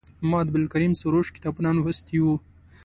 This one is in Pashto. ما د عبدالکریم سروش کتابونه لوستي وو.